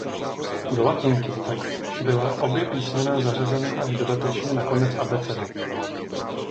Do latinky tak byla obě písmena zařazena až dodatečně na konec abecedy.